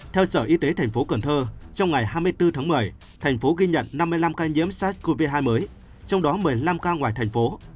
theo sở y tế thành phố cần thơ trong ngày hai mươi bốn tháng một mươi thành phố ghi nhận năm mươi năm ca nhiễm sars cov hai mới trong đó một mươi năm ca ngoài thành phố